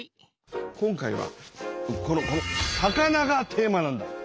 今回はこのこの「魚」がテーマなんだ。